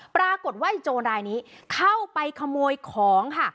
ปรากฏว่าไอ้โจรรายนี้เข้าไปขโมยของค่ะ